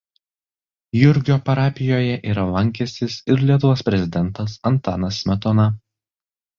Jurgio parapijoje yra lankęsis ir Lietuvos prezidentas Antanas Smetona.